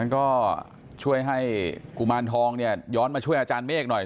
ก็ช่วยให้กุมารทองเนี่ยย้อนมาช่วยอาจารย์เมฆหน่อย